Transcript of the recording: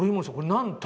何と。